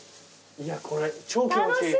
これ超気持ちいい。